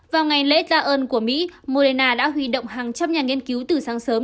vào ngày lễ tạ ơn của mỹ moderna đã huy động hàng trăm nhà nghiên cứu từ sáng sớm